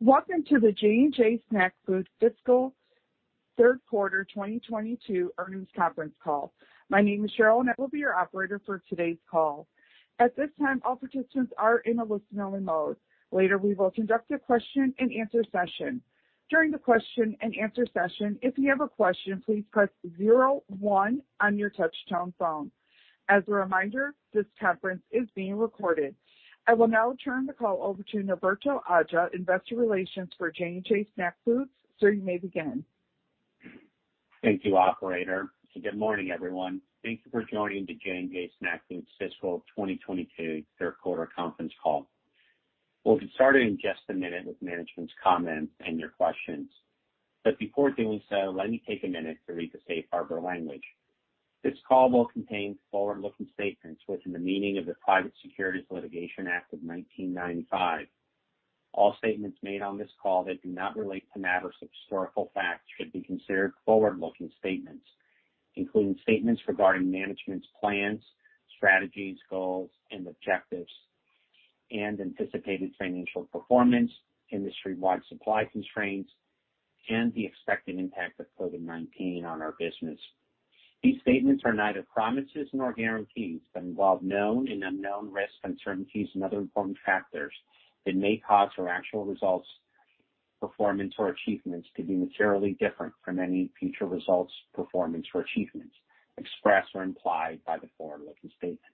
Welcome to the J&J Snack Foods Fiscal Q3 2022 Earnings Conference Call. My name is Cheryl, and I will be your operator for today's call. At this time, all participants are in a listen-only mode. Later, we will conduct a question-and-answer session. During the question-and-answer session, if you have a question, please press zero one on your touchtone phone. As a reminder, this conference is being recorded. I will now turn the call over to Norberto Aja, investor relations for J&J Snack Foods. Sir, you may begin. Thank you, operator, and good morning, everyone. Thank you for joining the J&J Snack Foods Fiscal 2022 Q3 Conference Call. We'll get started in just a minute with management's comments and your questions. Before doing so, let me take a minute to read the safe harbor language. This call will contain forward-looking statements within the meaning of the Private Securities Litigation Reform Act of 1995. All statements made on this call that do not relate to matters of historical fact should be considered forward-looking statements, including statements regarding management's plans, strategies, goals and objectives, and anticipated financial performance, industry-wide supply constraints, and the expected impact of COVID-19 on our business. These statements are neither promises nor guarantees, but involve known and unknown risks, uncertainties and other important factors that may cause our actual results, performance or achievements to be materially different from any future results, performance or achievements expressed or implied by the forward-looking statements.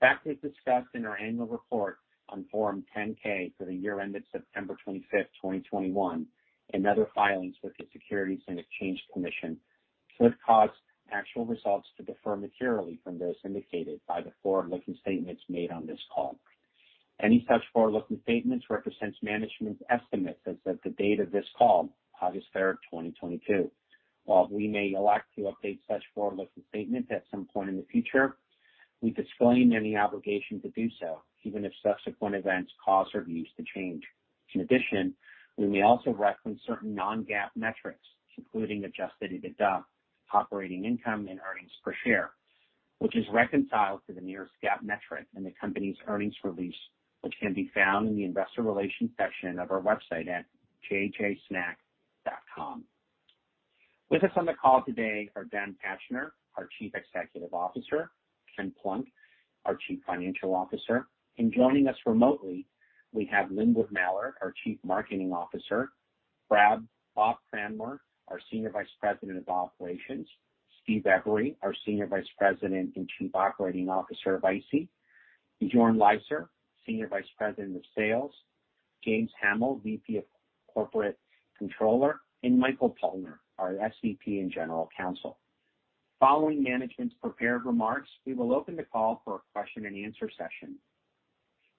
Facts as discussed in our annual report on Form 10-K for the year ended 25 September 2021, and other filings with the Securities and Exchange Commission could cause actual results to differ materially from those indicated by the forward-looking statements made on this call. Any such forward-looking statements represents management's estimates as of the date of this call, 3 August 2022. While we may elect to update such forward-looking statements at some point in the future, we disclaim any obligation to do so, even if subsequent events cause our views to change. In addition, we may also reference certain non-GAAP metrics, including adjusted EBITDA, operating income, and earnings per share, which is reconciled to the nearest GAAP metric in the company's earnings release, which can be found in the Investor Relations section of our website at jjsnack.com. With us on the call today are Dan Fachner, our Chief Executive Officer, Ken Plunk, our Chief Financial Officer, and joining us remotely, we have Lynwood Mallard, our Chief Marketing Officer, Bob Cranmer, our Senior Vice President of Operations, Steve Every, our Senior Vice President and Chief Operating Officer of ICEE, Bjoern Leyser, Senior Vice President of Sales, James Hamill, VP of Corporate Controller, and Michael Pollner, our SVP and General Counsel. Following management's prepared remarks, we will open the call for a question-and-answer session.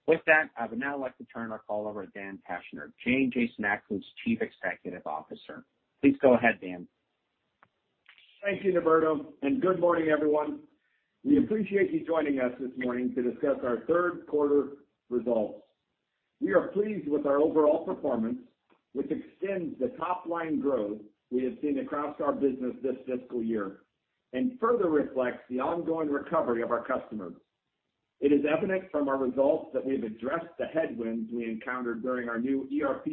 With that, I would now like to turn our call over to Dan Fachner, J&J Snack Foods' Chief Executive Officer. Please go ahead, Dan. Thank you, Norberto, and good morning, everyone. We appreciate you joining us this morning to discuss our Q3 results. We are pleased with our overall performance, which extends the top-line growth we have seen across our business this fiscal year and further reflects the ongoing recovery of our customers. It is evident from our results that we've addressed the headwinds we encountered during our new ERP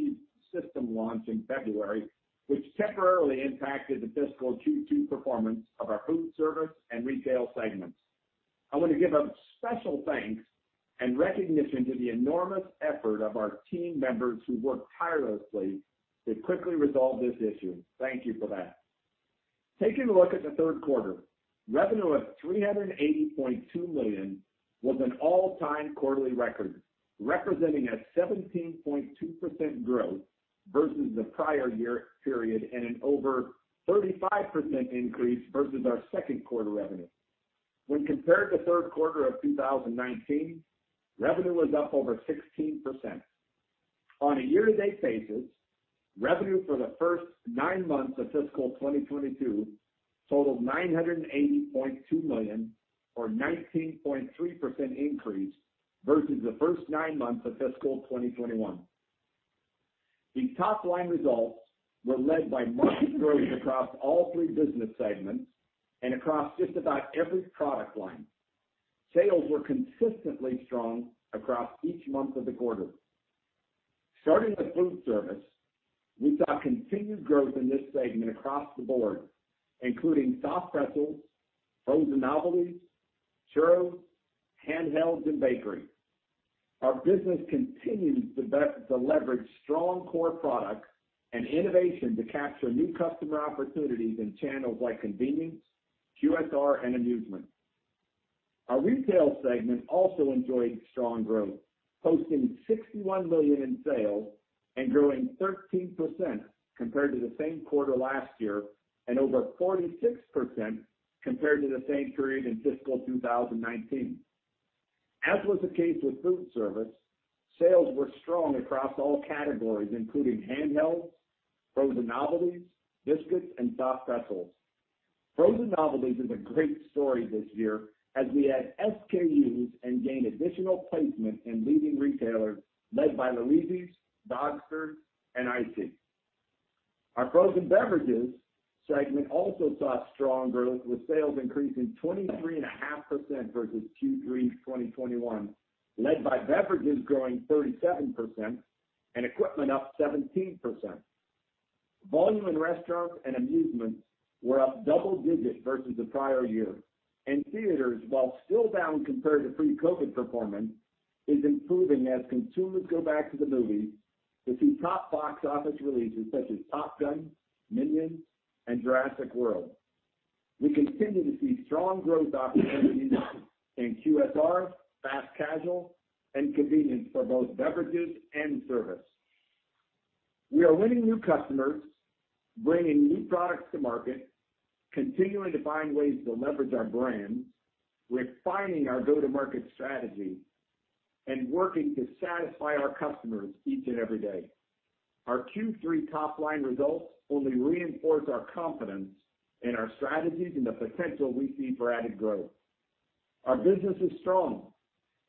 system launch in February, which temporarily impacted the fiscal Q2 performance of our food service and retail segments. I want to give a special thanks and recognition to the enormous effort of our team members who worked tirelessly to quickly resolve this issue. Thank you for that. Taking a look at the Q3, revenue of $380.2 million was an all-time quarterly record, representing a 17.2% growth versus the prior year period and an over 35% increase versus our Q2 revenue. When compared to Q3 of 2019, revenue was up over 16%. On a year-to-date basis, revenue for the first nine months of fiscal 2022 totaled $980.2 million or 19.3% increase versus the first nine months of fiscal 2021. These top-line results were led by market growth across all three business segments and across just about every product line. Sales were consistently strong across each month of the quarter. Starting with food service, we saw continued growth in this segment across the board, including soft pretzels, frozen novelties, churros, handhelds, and bakery. Our business continues to leverage strong core products and innovation to capture new customer opportunities in channels like convenience, QSR, and amusement. Our retail segment also enjoyed strong growth, posting $61 million in sales and growing 13% compared to the same quarter last year, and over 46% compared to the same period in fiscal 2019. As was the case with food service, sales were strong across all categories, including handhelds, frozen novelties, biscuits, and soft pretzels. Frozen novelties is a great story this year as we add SKUs and gain additional placement in leading retailers led by the LUIGI'S, Dogsters, and ICEE. Our frozen beverages segment also saw strong growth, with sales increasing 23.5% versus Q3 2021, led by beverages growing 37% and equipment up 17%. Volume in restaurants and amusements were up double digits versus the prior year. Theaters, while still down compared to pre-COVID performance, is improving as consumers go back to the movies to see top box office releases such as Top Gun, Minions, and Jurassic World. We continue to see strong growth opportunities in QSR, fast casual, and convenience for both beverages and service. We are winning new customers, bringing new products to market, continuing to find ways to leverage our brands, refining our go-to-market strategy, and working to satisfy our customers each and every day. Our Q3 top-line results only reinforce our confidence in our strategies and the potential we see for added growth. Our business is strong.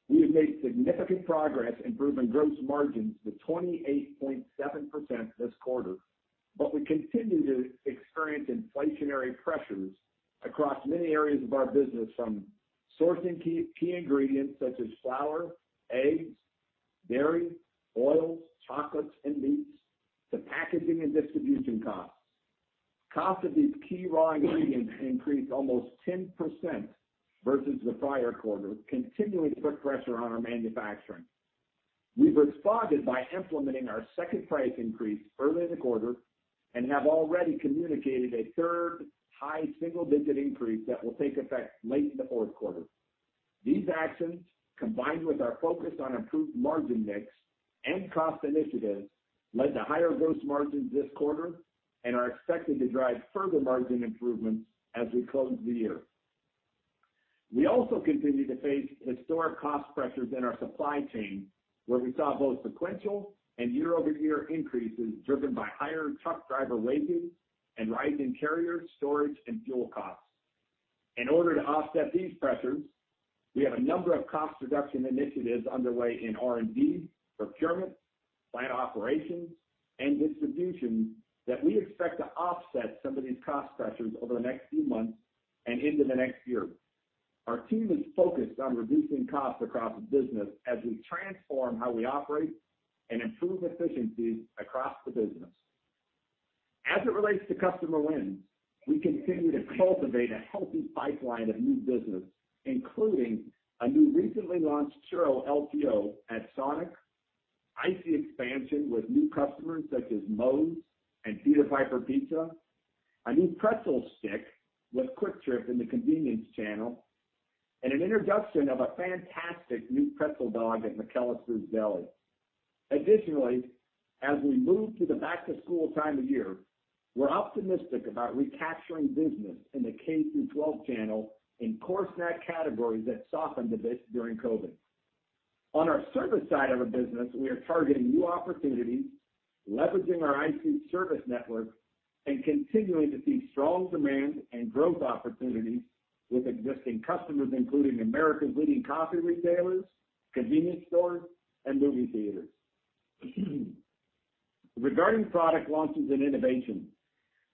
We have made significant progress improving gross margins to 28.7% this quarter, but we continue to experience inflationary pressures across many areas of our business, from sourcing key ingredients such as flour, eggs, dairy, oils, chocolates, and meats, to packaging and distribution costs. Cost of these key raw ingredients increased almost 10% versus the prior quarter, continuing to put pressure on our manufacturing. We've responded by implementing our second price increase early in the quarter and have already communicated a third high single-digit increase that will take effect late in the Q4. These actions, combined with our focus on improved margin mix and cost initiatives, led to higher gross margins this quarter and are expected to drive further margin improvements as we close the year. We also continue to face historic cost pressures in our supply chain, where we saw both sequential and year-over-year increases driven by higher truck driver wages and rising carrier storage and fuel costs. In order to offset these pressures, we have a number of cost reduction initiatives underway in R&D, procurement, plant operations, and distribution that we expect to offset some of these cost pressures over the next few months and into the next year. Our team is focused on reducing costs across the business as we transform how we operate and improve efficiencies across the business. As it relates to customer wins, we continue to cultivate a healthy pipeline of new business, including a new recently launched churro LTO at Sonic, ICEE expansion with new customers such as Moe's and Peter Piper Pizza, a new pretzel stick with QuikTrip in the convenience channel, and an introduction of a fantastic new pretzel dog at McAlister's Deli. Additionally, as we move to the back-to-school time of year, we're optimistic about recapturing business in the K-12 channel in core snack categories that softened a bit during COVID. On our service side of the business, we are targeting new opportunities, leveraging our ICEE service network, and continuing to see strong demand and growth opportunities with existing customers, including America's leading coffee retailers, convenience stores, and movie theaters. Regarding product launches and innovation,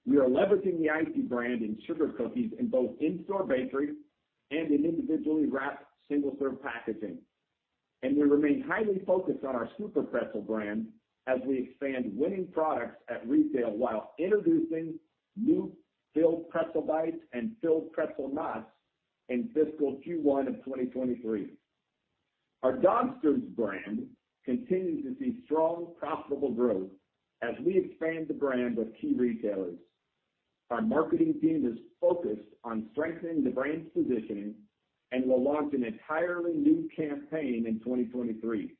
we are leveraging the ICEE brand in sugar cookies in both in-store bakery and in individually wrapped single-serve packaging. We remain highly focused on our SUPERPRETZEL brand as we expand winning products at retail while introducing new filled pretzel bites and filled pretzel knots in fiscal Q1 of 2023. Our Dogsters brand continues to see strong, profitable growth as we expand the brand with key retailers. Our marketing team is focused on strengthening the brand's positioning and will launch an entirely new campaign in 2023,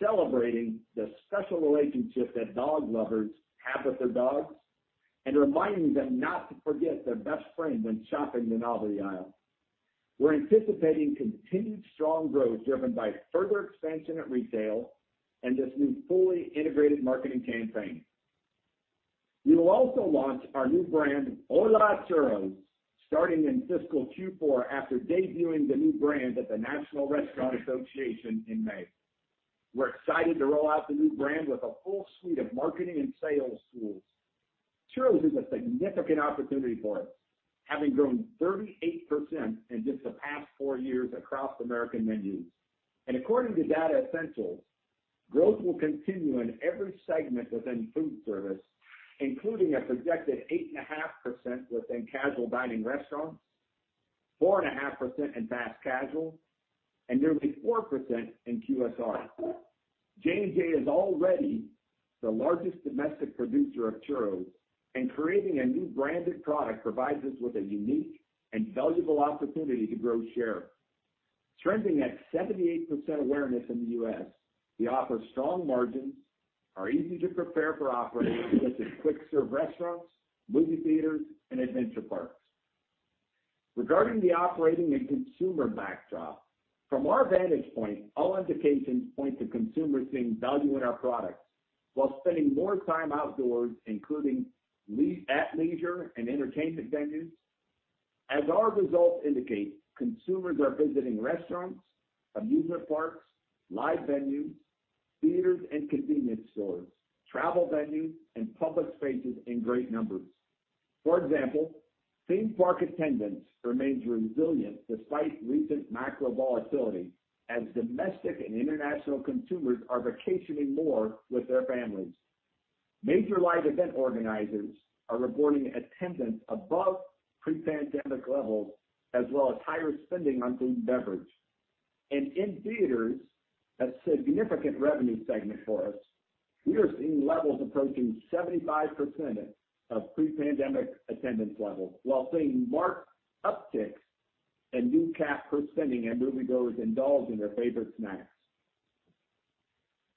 celebrating the special relationship that dog lovers have with their dogs and reminding them not to forget their best friend when shopping the novelty aisle. We're anticipating continued strong growth driven by further expansion at retail and this new fully integrated marketing campaign. We will also launch our new brand, ¡Hola! Churros, starting in fiscal Q4 after debuting the new brand at the National Restaurant Association in May. We're excited to roll out the new brand with a full suite of marketing and sales tools. Churros is a significant opportunity for us, having grown 38% in just the past four years across American menus. According to Datassential, growth will continue in every segment within food service, including a projected 8.5% within casual dining restaurants, 4.5% in fast casual, and nearly 4% in QSR. J&J is already the largest domestic producer of churros, and creating a new branded product provides us with a unique and valuable opportunity to grow share. Trending at 78% awareness in the U.S., we offer strong margins, are easy to prepare for operators such as quick-serve restaurants, movie theaters, and adventure parks. Regarding the operating and consumer backdrop, from our vantage point, all indications point to consumers seeing value in our products while spending more time outdoors, including at leisure and entertainment venues. As our results indicate, consumers are visiting restaurants, amusement parks, live venues, theaters, and convenience stores, travel venues, and public spaces in great numbers. For example, theme park attendance remains resilient despite recent macro volatility, as domestic and international consumers are vacationing more with their families. Major live event organizers are reporting attendance above pre-pandemic levels, as well as higher spending on food and beverage. In theaters, a significant revenue segment for us, we are seeing levels approaching 75% of pre-pandemic attendance levels while seeing marked upticks in per capita spending as moviegoers indulge in their favorite snacks.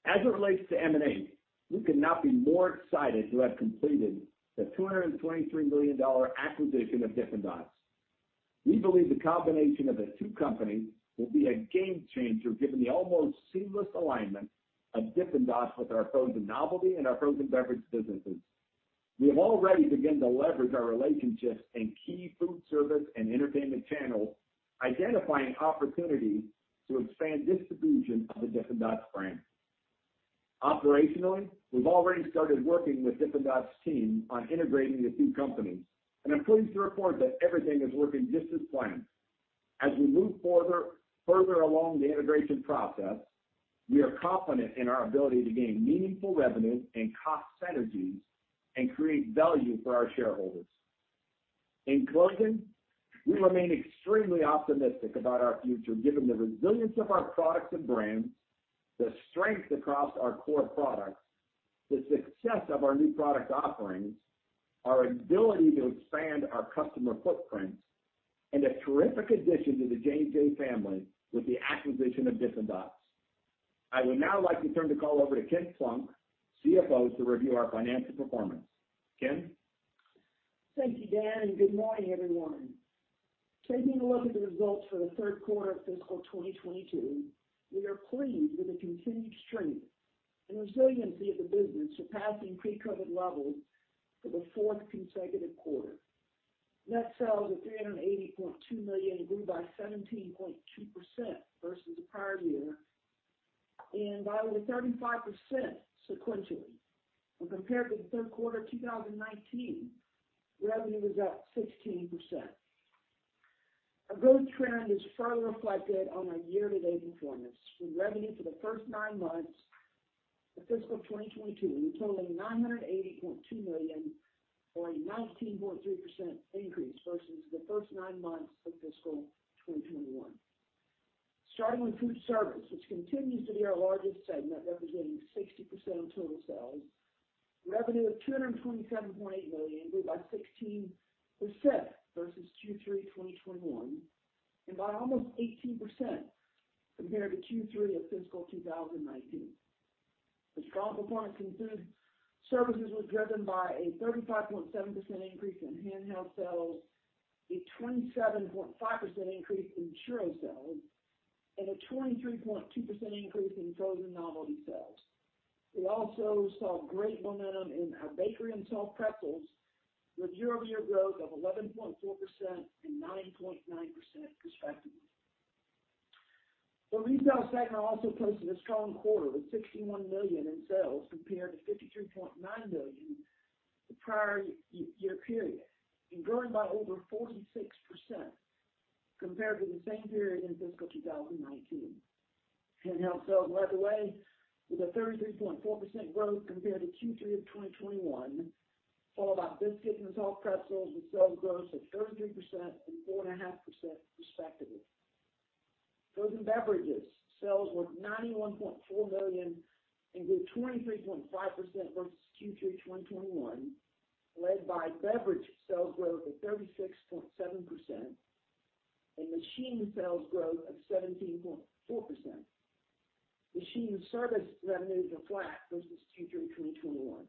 As it relates to M&A, we could not be more excited to have completed the $223 million acquisition of Dippin' Dots. We believe the combination of the two companies will be a game changer, given the almost seamless alignment of Dippin' Dots with our frozen novelty and our frozen beverage businesses. We have already begun to leverage our relationships in key food service and entertainment channels, identifying opportunities to expand distribution of the Dippin' Dots brand. Operationally, we've already started working with Dippin' Dots' team on integrating the two companies, and I'm pleased to report that everything is working just as planned. As we move further along the integration process, we are confident in our ability to gain meaningful revenue and cost synergies and create value for our shareholders. In closing, we remain extremely optimistic about our future, given the resilience of our products and brands, the strength across our core products, the success of our new product offerings, our ability to expand our customer footprint, and a terrific addition to the J&J family with the acquisition of Dippin' Dots. I would now like to turn the call over to Ken Plunk, CFO, to review our financial performance. Ken? Thank you, Dan, and good morning, everyone. Taking a look at the results for the Q3 of fiscal 2022, we are pleased with the continued strength and resiliency of the business, surpassing pre-COVID levels for the fourth consecutive quarter. Net sales of $380.2 million grew by 17.2% versus the prior year and by over 35% sequentially. When compared to the Q3 of 2019, revenue was up 16%. A growth trend is further reflected on our year-to-date performance, with revenue for the first nine months of fiscal 2022 totaling $980.2 million, or a 19.3% increase versus the first nine months of fiscal 2021. Starting with food service, which continues to be our largest segment, representing 60% of total sales, revenue of $227.8 million grew by 16% versus Q3 2021 and by almost 18% compared to Q3 of fiscal 2019. The strong performance in food services was driven by a 35.7% increase in handheld sales, a 27.5% increase in churro sales, and a 23.2% increase in frozen novelty sales. We also saw great momentum in our bakery and soft pretzels, with year-over-year growth of 11.4% and 9.9% respectively. The retail segment also posted a strong quarter, with $61 million in sales compared to $53.9 million the prior year period and growing by over 46% compared to the same period in fiscal 2019. Handheld sales led the way with a 33.4% growth compared to Q3 of 2021, followed by biscuits and soft pretzels, with sales growth of 33% and 4.5% respectively. Frozen beverages sales were $91.4 million and grew 23.5% versus Q3 2021, led by beverage sales growth of 36.7% and machine sales growth of 17.4%. Machine service revenues were flat versus Q3 2021.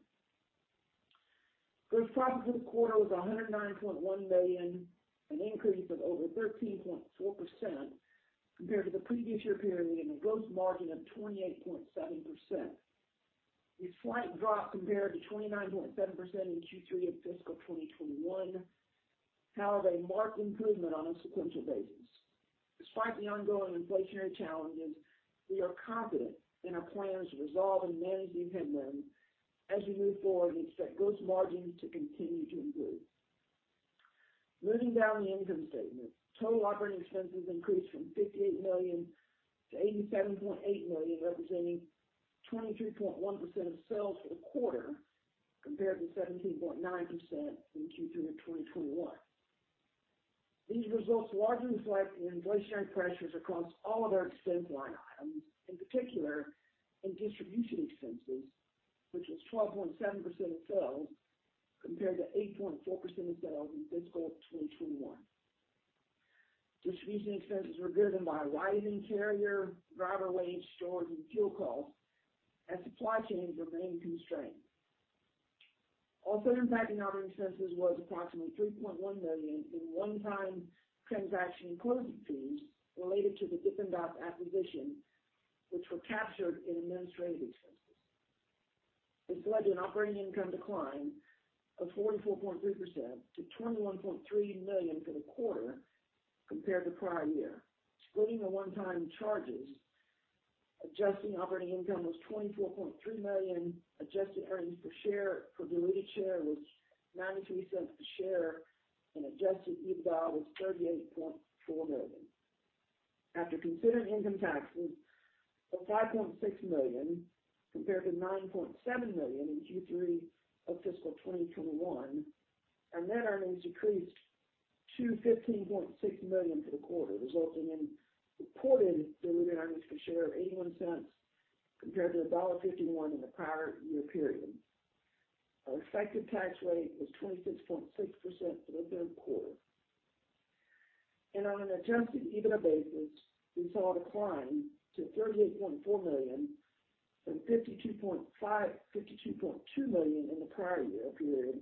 Gross profit for the quarter was $109.1 million, an increase of over 13.4% compared to the previous year period, and a gross margin of 28.7%. A slight drop compared to 29.7% in Q3 of fiscal 2021. However, a marked improvement on a sequential basis. Despite the ongoing inflationary challenges, we are confident in our plans to resolve and manage the headwind. As we move forward, we expect gross margins to continue to improve. Moving down the income statement. Total operating expenses increased from $58 million to $87.8 million, representing 23.1% of sales for the quarter, compared to 17.9% in Q3 of 2021. These results largely reflect the inflationary pressures across all of our expense line items, in particular in distribution expenses, which was 12.7% of sales, compared to 8.4% of sales in fiscal 2021. Distribution expenses were driven by rising carrier, driver wage, storage, and fuel costs, and supply chains remain constrained. Also impacting operating expenses was approximately $3.1 million in one-time transaction closing fees related to the Dippin' Dots acquisition, which were captured in administrative expenses. This led to an operating income decline of 44.3% to $21.3 million for the quarter compared to prior year. Excluding the one-time charges, adjusting operating income was $24.3 million. Adjusted earnings per share for diluted share was $0.93 a share, and adjusted EBITDA was $38.4 million. After considering income taxes of $5.6 million compared to $9.7 million in Q3 of fiscal 2021, our net earnings decreased to $15.6 million for the quarter, resulting in reported diluted earnings per share of $0.81 compared to $1.51 in the prior year period. Our effective tax rate was 26.6% for the Q3. On an adjusted EBITDA basis, we saw a decline to $38.4 million from $52.2 million in the prior year period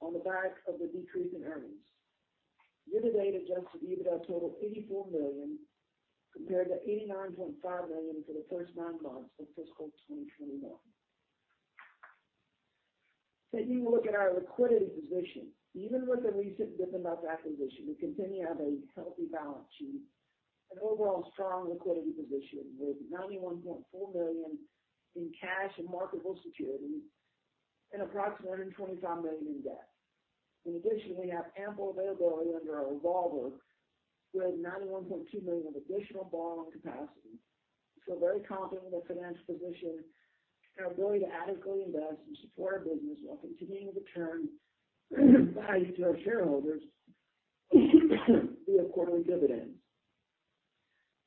on the back of the decrease in earnings. Year-to-date adjusted EBITDA totaled $84 million compared to $89.5 million for the first nine months of fiscal 2021. Taking a look at our liquidity position. Even with the recent Dippin' Dots acquisition, we continue to have a healthy balance sheet, an overall strong liquidity position with $91.4 million in cash and marketable securities and approximately $125 million in debt. In addition, we have ample availability under our revolver with $91.2 million of additional borrowing capacity. Very confident in our financial position and our ability to adequately invest and support our business while continuing to return value to our shareholders via quarterly dividends.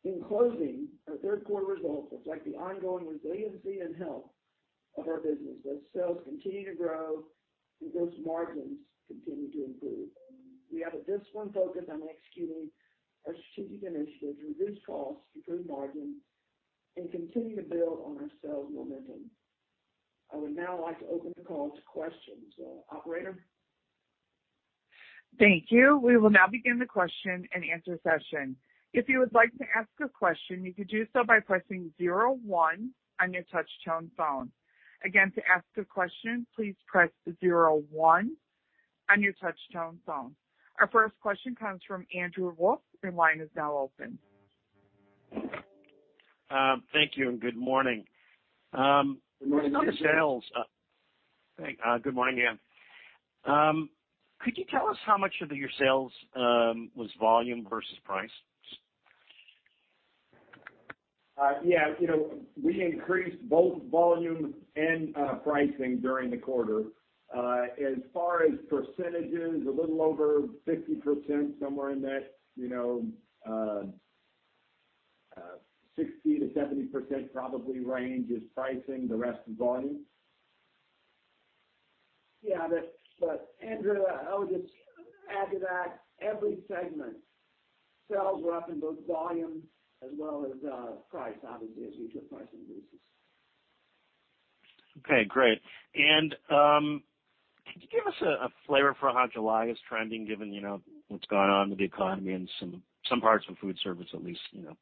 In closing, our Q3 results reflect the ongoing resiliency and health of our business as sales continue to grow and gross margins continue to improve. We have a disciplined focus on executing our strategic initiatives, reduce costs, improve margins, and continue to build on our sales momentum. I would now like to open the call to questions. Operator? Thank you. We will now begin the question-and-answer session. If you would like to ask a question, you could do so by pressing zero one on your touchtone phone. Again, to ask a question, please press zero one on your touchtone phone. Our first question comes from Andrew Wolf. Your line is now open. Thank you and good morning. Good morning, Andrew. On the sales. Good morning, yeah. Could you tell us how much of your sales was volume versus price? Yeah, you know, we increased both volume and pricing during the quarter. As far as percentages, a little over 60%, somewhere in that, you know, 60%-70% probably range is pricing, the rest is volume. Yeah, Andrew, I would just add to that every segment sales were up in both volume as well as price, obviously, as we took price increases. Okay, great. Could you give us a flavor for how July is trending given, you know, what's going on with the economy and some parts of food service at least, you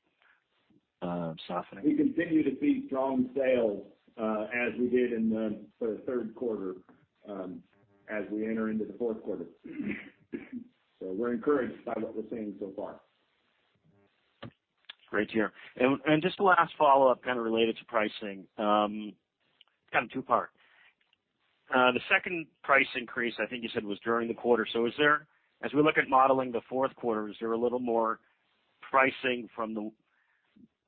know, softening? We continue to see strong sales, as we did for the Q3, as we enter into the Q4. We're encouraged by what we're seeing so far. Great to hear. Just a last follow-up kind of related to pricing, kind of two-part. The second price increase, I think you said was during the quarter. As we look at modeling the Q4, is there a little more pricing from the,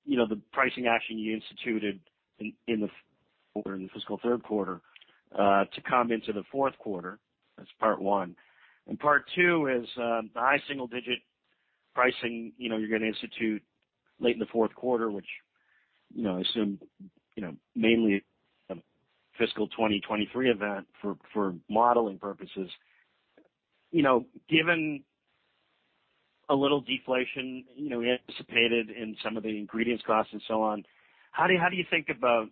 you know, the pricing action you instituted in the fiscal Q3 to come into the Q4? That's part one. Part two is the high single digit pricing, you know, you're gonna institute late in the Q4, which, you know, I assume, mainly a fiscal 2023 event for modeling purposes. You know, given a little deflation, you know, we anticipated in some of the ingredients costs and so on, how do you think about,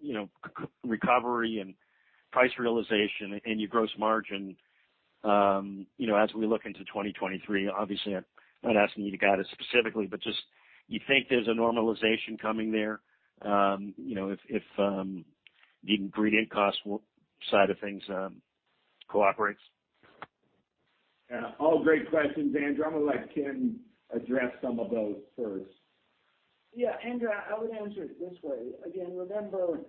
you know, recovery and price realization and your gross margin, you know, as we look into 2023? Obviously, I'm not asking you to guide us specifically, but just, you think there's a normalization coming there, you know, if the ingredient cost side of things cooperates? Yeah. All great questions, Andrew. I'm gonna let Ken address some of those first. Yeah, Andrew, I would answer it this way. Again, remember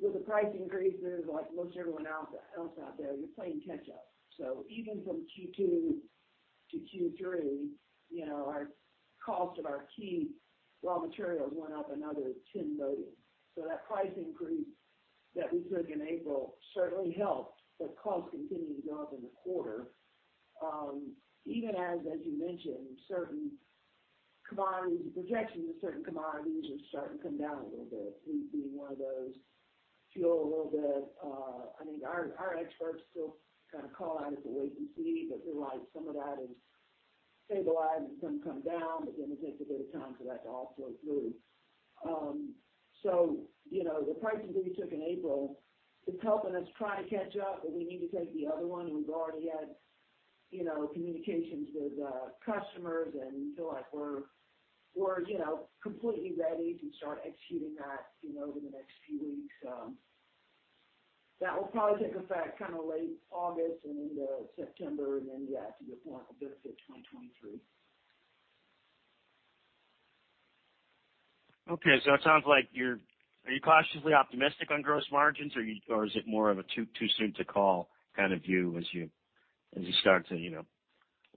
with the price increase, there's like most everyone else out there, you're playing catch up. Even from Q2 to Q3, you know, our cost of our key raw materials went up another $10 million. That price increase that we took in April certainly helped, but costs continued to go up in the quarter. Even as you mentioned, certain commodities, projections of certain commodities are starting to come down a little bit, food being one of those, fuel a little bit. I mean, our experts still kind of call out it's a wait and see, but they're like some of that is stabilizing. It's gonna come down, but then it takes a bit of time for that to all flow through. You know, the price increase we took in April is helping us try to catch up, but we need to take the other one, and we've already had. You know, communications with customers and feel like we're, you know, completely ready to start executing that, you know, over the next few weeks. That will probably take effect kinda late August and into September. Yeah, to your point, it'll benefit 2023. Okay. It sounds like are you cautiously optimistic on gross margins or is it more of a too soon to call kind of view as you start to, you know,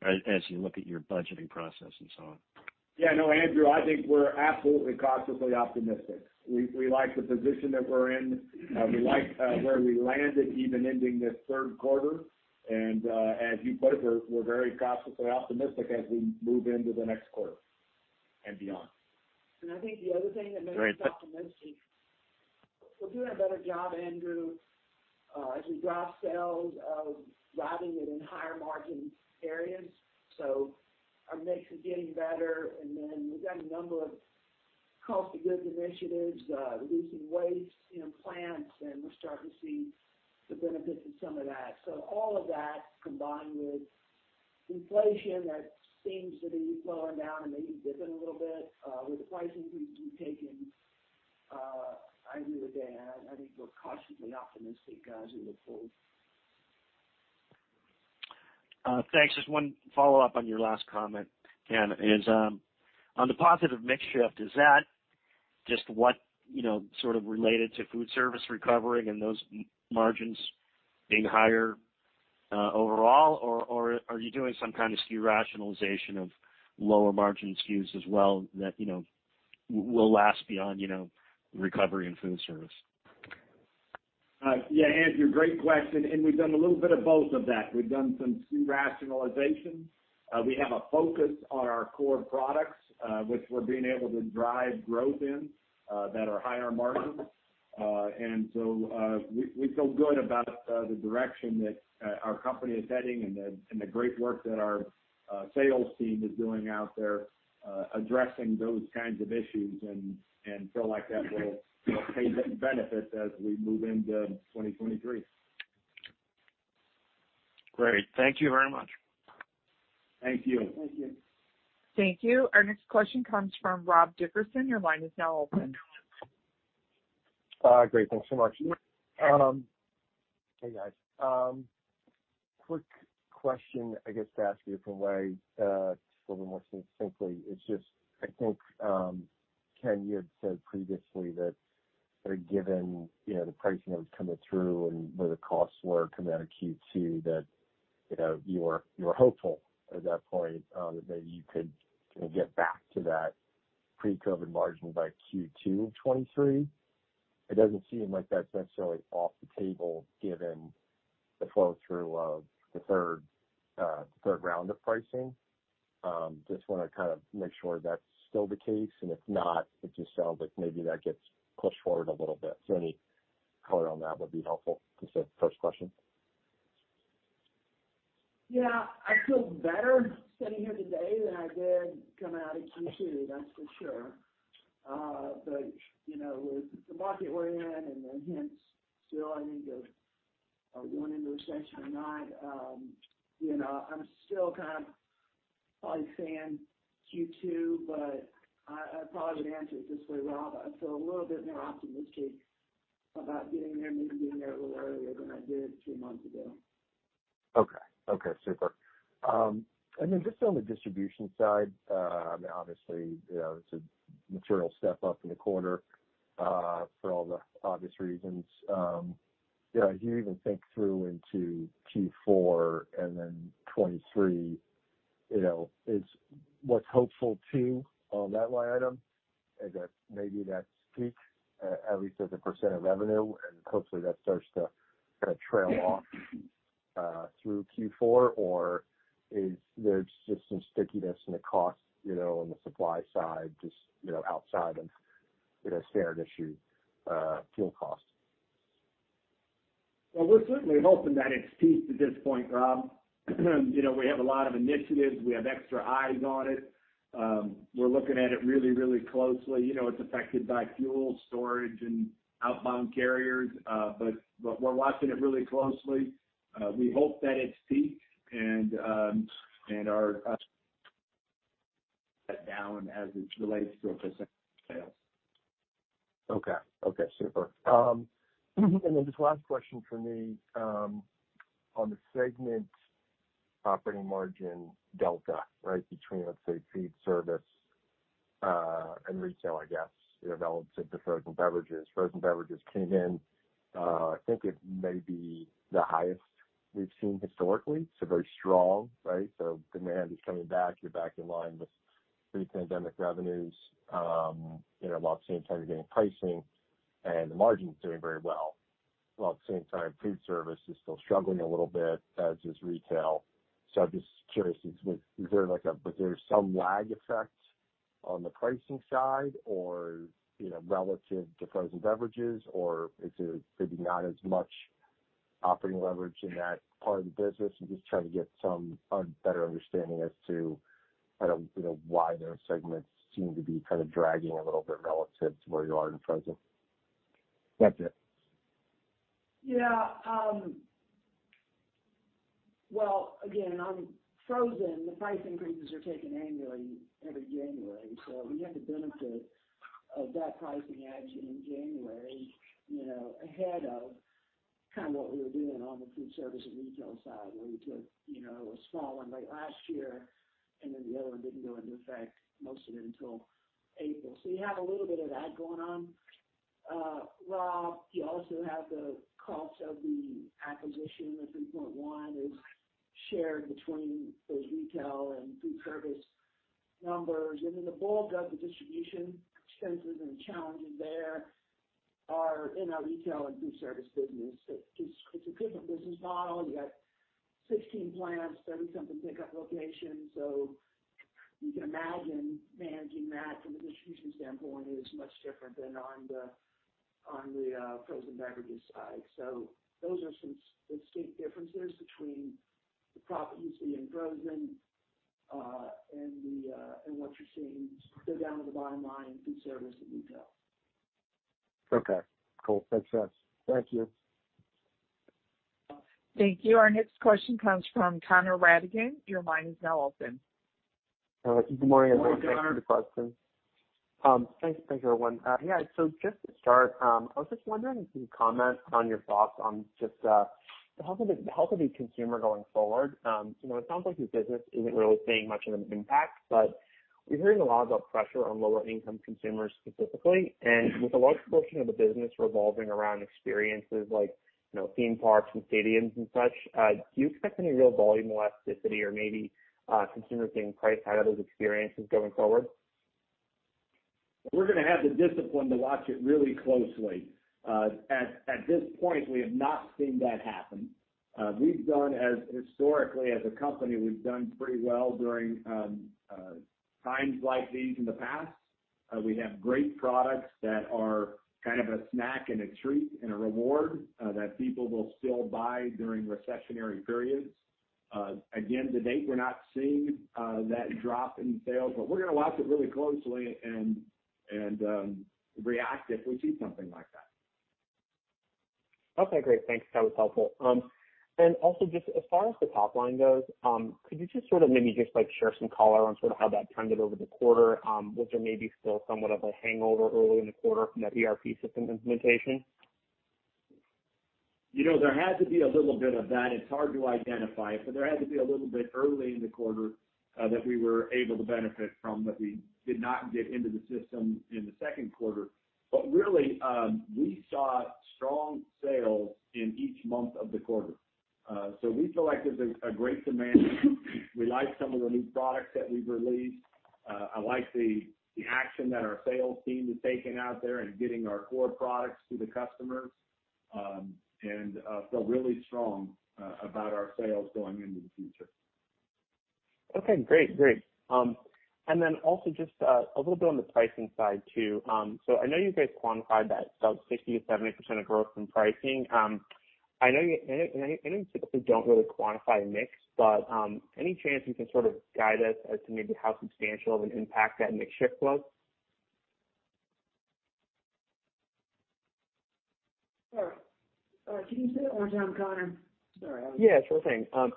as you look at your budgeting process and so on? Yeah. No, Andrew, I think we're absolutely cautiously optimistic. We like the position that we're in. We like where we landed even ending this Q3. As you put it, we're very cautiously optimistic as we move into the next quarter and beyond. I think the other thing that makes us optimistic. We're doing a better job, Andrew, as we drive sales, driving it in higher margin areas. Our mix is getting better. Then we've got a number of cost of goods initiatives, reducing waste in plants, and we're starting to see the benefits of some of that. All of that combined with inflation that seems to be slowing down and maybe dipping a little bit, with the price increases we've taken, I agree with Dan. I think we're cautiously optimistic as we look forward. Thanks. Just one follow-up on your last comment, Ken. Is on the positive mix shift, is that just what, you know, sort of related to food service recovering and those margins being higher, overall or are you doing some kind of SKU rationalization of lower margin SKUs as well that, you know, will last beyond, you know, recovery in food service? Yeah, Andrew, great question. We've done a little bit of both of that. We've done some SKU rationalization. We have a focus on our core products, which we're being able to drive growth in, that are higher margin. We feel good about the direction that our company is heading and the great work that our sales team is doing out there, addressing those kinds of issues and feel like that will, you know, pay benefits as we move into 2023. Great. Thank you very much. Thank you. Thank you. Thank you. Our next question comes from Rob Dickerson. Your line is now open. Great. Thanks so much. Hey, guys. Quick question, I guess, to ask you a little more succinctly. It's just I think, Ken, you had said previously that sort of given, you know, the pricing that was coming through and where the costs were coming out of Q2, that, you know, you were hopeful at that point, that you could, you know, get back to that pre-COVID margin by Q2 of 2023. It doesn't seem like that's necessarily off the table given the flow through of the third round of pricing. Just wanna kind of make sure that's still the case. If not, it just sounds like maybe that gets pushed forward a little bit. Any color on that would be helpful. That's the first question. Yeah. I feel better sitting here today than I did coming out of Q2, that's for sure. You know, with the market we're in and the hints still on whether going into recession or not, you know, I'm still kind of probably saying Q2, but I probably would answer it this way, Rob. I feel a little bit more optimistic about getting there, maybe getting there a little earlier than I did two months ago. Okay, super. Just on the distribution side, I mean, obviously, you know, it's a material step up in the quarter, for all the obvious reasons. You know, as you even think through into Q4 and then 2023, you know, what's hopeful too on that line item is that maybe that's peaked, at least as a percent of revenue, and hopefully that starts to kinda trail off, through Q4. Is there just some stickiness in the cost, you know, on the supply side, just, outside of freight and fuel costs? Well, we're certainly hoping that it's peaked at this point, Rob. You know, we have a lot of initiatives. We have extra eyes on it. We're looking at it really, really closely. You know, it's affected by fuel storage and outbound carriers. We're watching it really closely. We hope that it's peaked and it's down as it relates to a percent of sales. Okay, super. Just last question from me. On the segment operating margin delta, right? Between, let's say food service and retail, I guess, you know, relative to frozen beverages. Frozen beverages came in, I think it may be the highest we've seen historically, so very strong, right? Demand is coming back. You're back in line with pre-pandemic revenues. You know, while at the same time you're getting pricing and the margin's doing very well. While at the same time food service is still struggling a little bit, as is retail. I'm just curious, is there some lag effect on the pricing side or, you know, relative to frozen beverages or is there maybe not as much operating leverage in that part of the business? I'm just trying to get a better understanding as to kind of, you know, why those segments seem to be kind of dragging a little bit relative to where you are in frozen. That's it. Again, on frozen, the price increases are taken annually every January. We had the benefit of that pricing action in January, you know, ahead of kind of what we were doing on the food service and retail side, where we took, you know, a small one late last year, and then the other one didn't go into effect, most of it, until April. You have a little bit of that going on. Rob, you also have the cost of the acquisition of 3.1 is shared between those retail and food service numbers. Then the bulk of the distribution expenses and challenges there are in our retail and food service business. It's a different business model. You got 16 plants, 30-something pickup locations. You can imagine managing that from a distribution standpoint is much different than on the frozen beverages side. Those are some distinct differences between the profit you see in frozen and what you're seeing go down to the bottom line in food service and retail. Okay. Cool. That's us. Thank you. Thank you. Our next question comes from Connor Rattigan. Your line is now open. Good morning. Good morning, Connor. Thanks for the question. I was just wondering if you could comment on your thoughts on just the health of the consumer going forward. You know, it sounds like your business isn't really seeing much of an impact, but we're hearing a lot about pressure on lower income consumers specifically. With a large portion of the business revolving around experiences like, you know, theme parks and stadiums and such, do you expect any real volume elasticity or maybe consumers being priced out of those experiences going forward? We're gonna have the discipline to watch it really closely. At this point, we have not seen that happen. Historically as a company, we've done pretty well during times like these in the past. We have great products that are kind of a snack and a treat and a reward that people will still buy during recessionary periods. Again, to date, we're not seeing that drop in sales, but we're gonna watch it really closely and react if we see something like that. Okay, great. Thanks. That was helpful. Also just as far as the top line goes, could you just sort of maybe just, like, share some color on sort of how that trended over the quarter? Was there maybe still somewhat of a hangover early in the quarter from that ERP system implementation? You know, there had to be a little bit of that. It's hard to identify, but there had to be a little bit early in the quarter that we were able to benefit from what we did not get into the system in the Q2. Really, we saw strong sales in each month of the quarter. We feel like there's a great demand. We like some of the new products that we've released. I like the action that our sales team is taking out there and getting our core products to the customers and feel really strong about our sales going into the future. Okay, great. Great. Also just a little bit on the pricing side too. I know you guys quantified that about 60%-70% of growth from pricing. I know you typically don't really quantify mix, but any chance you can sort of guide us as to maybe how substantial of an impact that mix shift was? Sure. Can you say that one more time, Connor? Sorry. Yeah, sure thing. I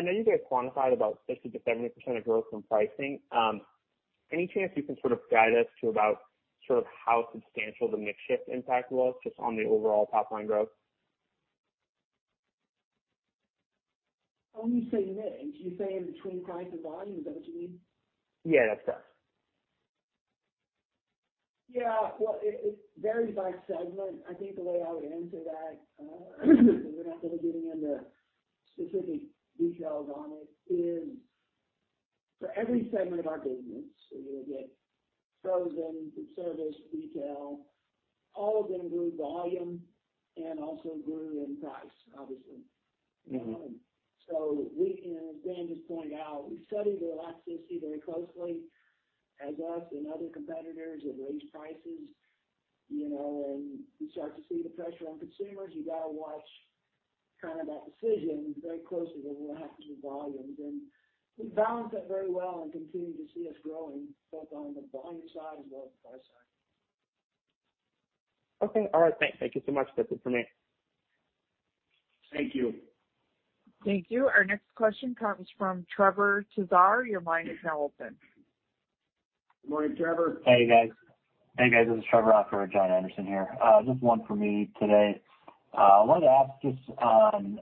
know you guys quantified about 60%-70% of growth from pricing. Any chance you can sort of guide us to about sort of how substantial the mix shift impact was just on the overall top line growth? When you say mix, you're saying between price and volume, is that what you mean? Yeah, that's correct. Well, it varies by segment. I think the way I would answer that, without really getting into specific details on it, is for every segment of our business, so you'll get frozen, food service, retail. All of them grew volume and also grew in price, obviously. Mm-hmm. As Dan just pointed out, we studied elasticity very closely as we and other competitors have raised prices, you know, and we start to see the pressure on consumers. You gotta watch kind of that decision very closely with what happens with volumes. We've balanced that very well and continue to see us growing both on the volume side as well as price side. Okay. All right, thanks. Thank you so much. That's it for me. Thank you. Thank you. Our next question comes from Trevor Sahr. Your line is now open. Good morning, Trevor. Hey, guys. This is Trevor on for Jon Anderson here. Just one for me today. I wanted to ask just on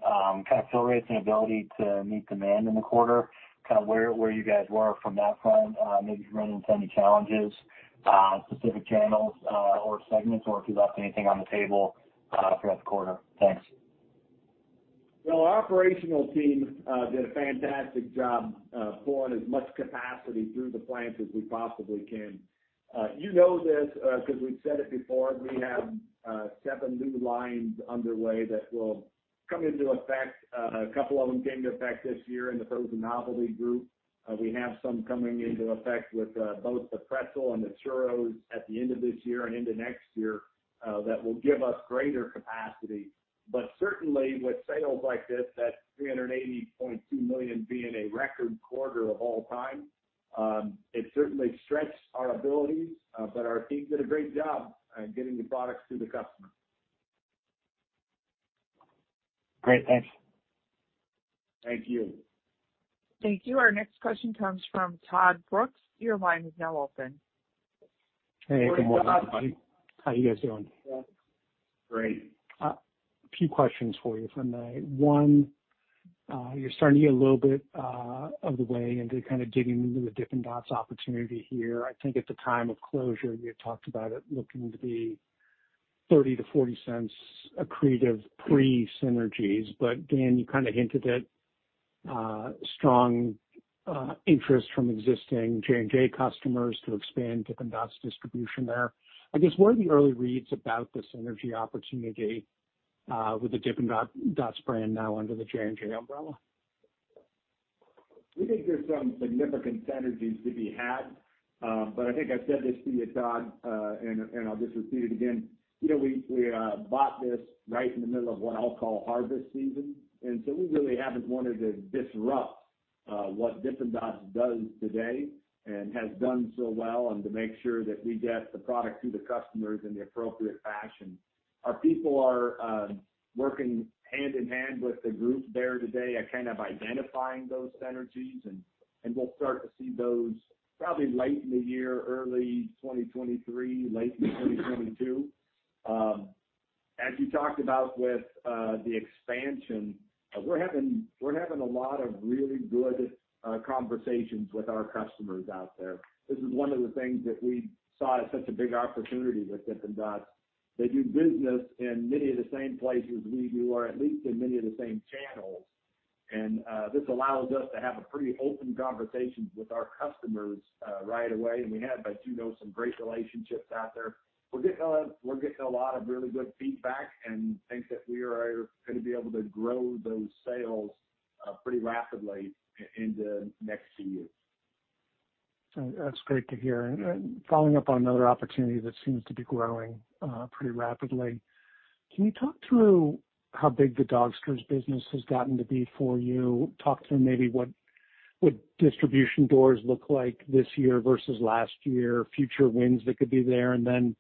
kind of fill rates and ability to meet demand in the quarter, kind of where you guys were from that front, maybe if you ran into any challenges, specific channels or segments or if you left anything on the table throughout the quarter. Thanks. Well, our operational team did a fantastic job pulling as much capacity through the plants as we possibly can. You know this because we've said it before, we have seven new lines underway that will come into effect. A couple of them came to effect this year in the frozen novelty group. We have some coming into effect with both the pretzel and the churros at the end of this year and into next year that will give us greater capacity. Certainly with sales like this, that $380.2 million being a record quarter of all time, it certainly stretched our abilities, but our team did a great job at getting the products to the customer. Great. Thanks. Thank you. Thank you. Our next question comes from Todd Brooks. Your line is now open. Hey, good morning everybody. How you guys doing? Great. A few questions for you if I may. One, you're starting to get a little bit of the way into kind of digging into the Dippin' Dots opportunity here. I think at the time of closure, you had talked about it looking to be $0.30-$0.40 accretive pre-synergies. Dan, you kind of hinted at strong interest from existing J&J customers to expand Dippin' Dots distribution there. I guess, what are the early reads about the synergy opportunity with the Dippin' Dots brand now under the J&J umbrella? We think there's some significant synergies to be had. I think I've said this to you, Todd, I'll just repeat it again. You know, we bought this right in the middle of what I'll call harvest season. We really haven't wanted to disrupt what Dippin' Dots does today and has done so well, and to make sure that we get the product to the customers in the appropriate fashion. Our people are working hand in hand with the group there today at kind of identifying those synergies and we'll start to see those probably late in the year, early 2023, late 2022. As you talked about with the expansion, we're having a lot of really good conversations with our customers out there. This is one of the things that we saw as such a big opportunity with Dippin' Dots. They do business in many of the same places we do, or at least in many of the same channels. This allows us to have a pretty open conversation with our customers right away. We have, as you know, some great relationships out there. We're getting a lot of really good feedback and think that we are gonna be able to grow those sales pretty rapidly in the next few years. That's great to hear. Following up on another opportunity that seems to be growing pretty rapidly, can you talk through how big the Dogsters business has gotten to be for you? Talk through maybe what distribution doors look like this year versus last year, future wins that could be there, and then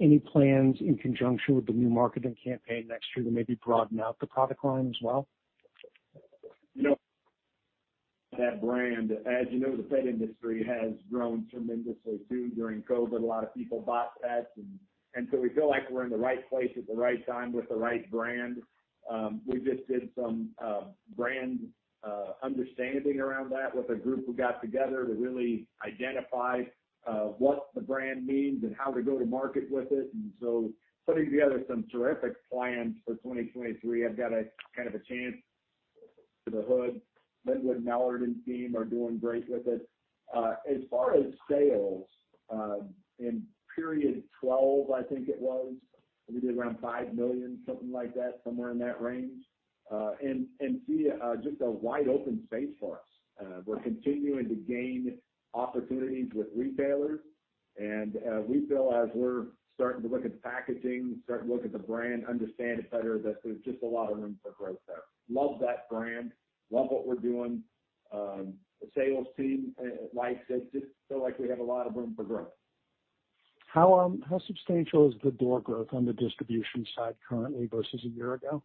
any plans in conjunction with the new marketing campaign next year to maybe broaden out the product line as well? You know, that brand, as you know, the pet industry has grown tremendously too during COVID. A lot of people bought pets and so we feel like we're in the right place at the right time with the right brand. We just did some brand understanding around that with a group who got together to really identify what the brand means and how we go to market with it. Putting together some terrific plans for 2023. I've got a chance to look under the hood. Lynwood Mallard and team are doing great with it. As far as sales in period 12, I think it was, we did around $5 million, something like that, somewhere in that range. We see just a wide open space for us. We're continuing to gain opportunities with retailers. We feel as we're starting to look at the packaging, starting to look at the brand, understand it better, that there's just a lot of room for growth there. Love that brand, love what we're doing. The sales team likes it. Just feel like we have a lot of room for growth. How substantial is the door growth on the distribution side currently versus a year ago?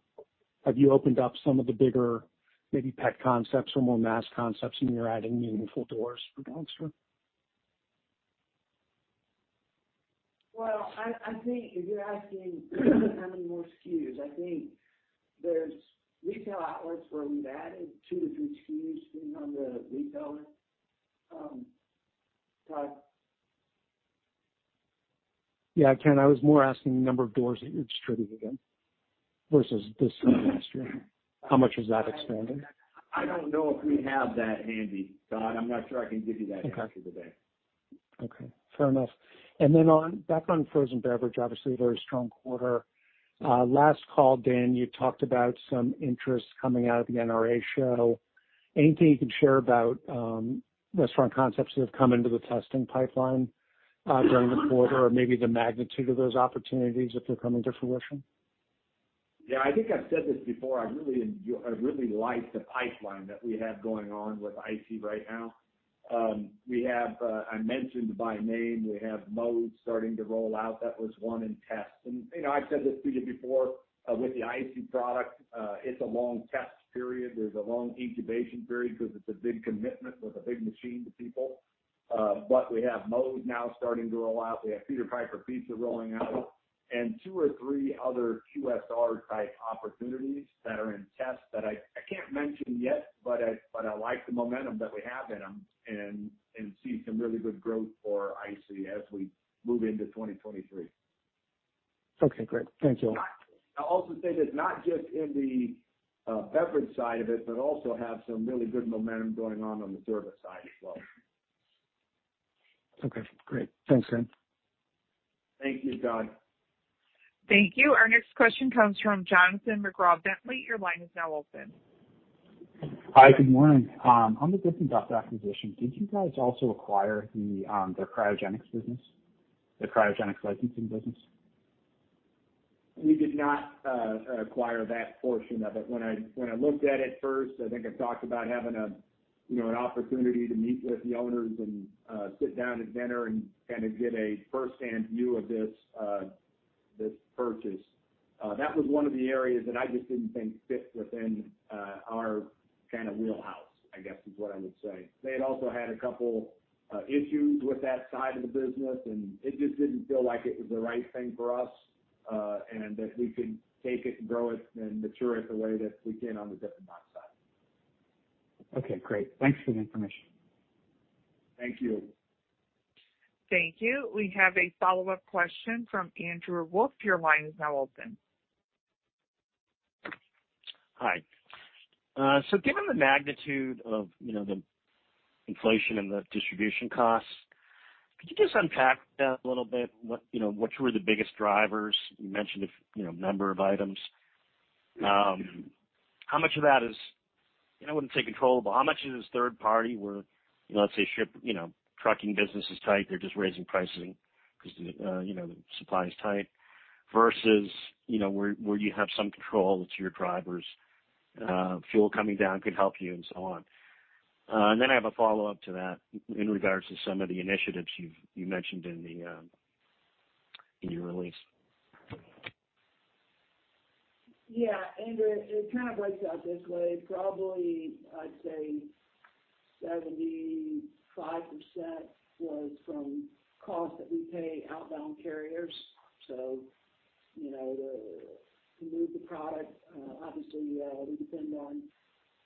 Have you opened up some of the bigger, maybe pet concepts or more mass concepts, and you're adding meaningful doors for Dogsters? Well, I think if you're asking how many more SKUs, I think there's retail outlets where we've added two to three SKUs, depending on the retailer. Todd? Yeah, Ken, I was more asking the number of doors that you're distributing in versus this time last year. How much has that expanded? I don't know if we have that handy, Todd. I'm not sure I can give you that answer today. Okay. Fair enough. Back on frozen beverage, obviously a very strong quarter. Last call, Dan, you talked about some interest coming out of the NRA show. Anything you can share about restaurant concepts that have come into the testing pipeline during the quarter or maybe the magnitude of those opportunities if they're coming to fruition? Yeah, I think I've said this before. I really like the pipeline that we have going on with ICEE right now. We have, I mentioned by name, we have Moe's starting to roll out. That was one in test. You know, I've said this to you before, with the ICEE product, it's a long test period. There's a long incubation period because it's a big commitment with a big machine to people. But we have Moe's now starting to roll out. We have Peter Piper Pizza rolling out and two or three other QSR type opportunities that are in test that I can't mention yet, but I like the momentum that we have in them and see some really good growth for ICEE as we move into 2023. Okay, great. Thank you. I'll also say that not just in the beverage side of it, but also have some really good momentum going on the service side as well. Okay, great. Thanks, Dan. Thank you, Todd. Thank you. Our next question comes from Jonathan M. Bentley. Your line is now open. Hi, good morning. On the Dippin' Dots acquisition, did you guys also acquire their cryogenics business, their cryogenics licensing business? We did not acquire that portion of it. When I looked at it first, I think I talked about having a You know, an opportunity to meet with the owners and sit down at dinner and kind of get a firsthand view of this purchase. That was one of the areas that I just didn't think fit within our kind of wheelhouse, I guess, is what I would say. They also had a couple issues with that side of the business, and it just didn't feel like it was the right thing for us, and that we could take it and grow it and mature it the way that we can on the Dippin' Dots side. Okay, great. Thanks for the information. Thank you. Thank you. We have a follow-up question from Andrew Wolf. Your line is now open. Hi. Given the magnitude of, you know, the inflation and the distribution costs, could you just unpack that a little bit? What, you know, which were the biggest drivers? You mentioned you know, number of items. How much of that is, you know, I wouldn't say control, but how much of this is third party where, you know, let's say shipping, you know, trucking business is tight, they're just raising prices because the, you know, the supply is tight, versus, you know, where you have some control, it's your drivers', fuel coming down could help you and so on. I have a follow-up to that in regards to some of the initiatives you've mentioned in your release. Yeah, Andrew, it kind of breaks out this way, probably I'd say 75% was from costs that we pay outbound carriers. You know, to move the product, obviously, we depend on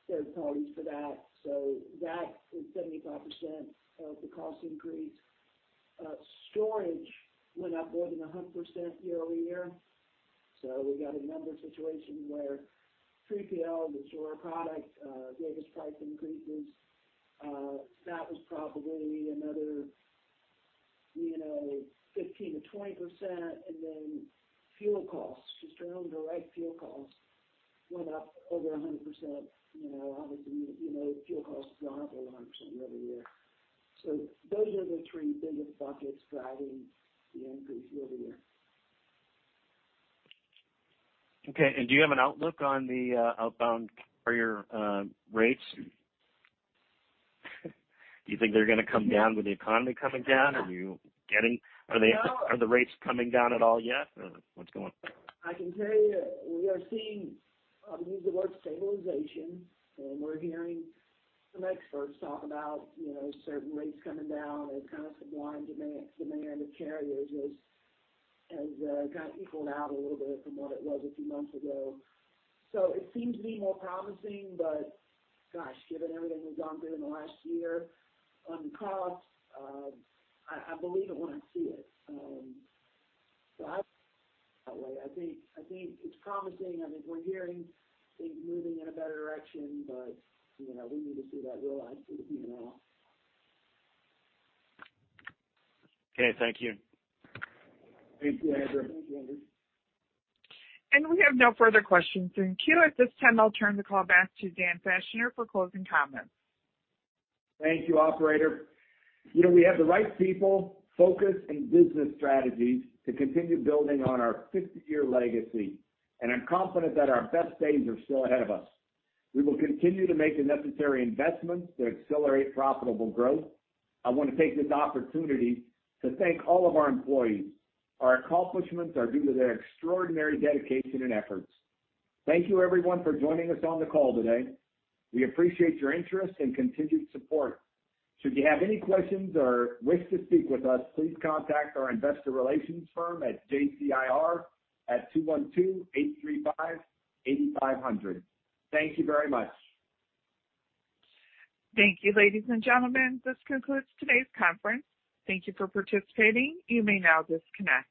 third parties for that. That is 75% of the cost increase. Storage went up more than 100% year-over-year. We got a number of situations where 3PL that store our product gave us price increases. That was probably another, you know, 15%-20%. Then fuel costs, just our own direct fuel costs went up over 100%. You know, obviously, you know, fuel costs go up over 100% year-over-year. Those are the three biggest buckets driving the increase year-over-year. Okay. Do you have an outlook on the outbound carrier rates? Do you think they're gonna come down with the economy coming down? Are the rates coming down at all yet? Or what's going on? I can tell you that we are seeing, I'll use the word stabilization, and we're hearing some experts talk about, you know, certain rates coming down as kind of supply and demand for carriers has kind of equaled out a little bit from what it was a few months ago. It seems to be more promising, but gosh, given everything that's gone through in the last year on costs, I believe it when I see it. I think it's promising. I mean, we're hearing things moving in a better direction, but, you know, we need to see that realized in the P&L. Okay. Thank you. Thank you, Andrew. We have no further questions in queue. At this time, I'll turn the call back to Dan Fachner for closing comments. Thank you, operator. You know, we have the right people, focus, and business strategies to continue building on our 50-year legacy, and I'm confident that our best days are still ahead of us. We will continue to make the necessary investments to accelerate profitable growth. I wanna take this opportunity to thank all of our employees. Our accomplishments are due to their extraordinary dedication and efforts. Thank you, everyone, for joining us on the call today. We appreciate your interest and continued support. Should you have any questions or wish to speak with us, please contact our investor relations firm at JCIR at 212-835-8500. Thank you very much. Thank you, ladies and gentlemen. This concludes today's conference. Thank you for participating. You may now disconnect.